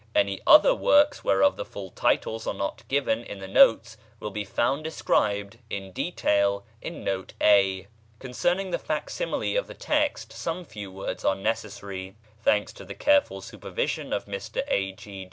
Any other works whereof the full titles are not given in the notes will be found described in detail in Note A. Concerning the fac simile of the text some few words are necessary. Thanks to the careful supervision of Mr A.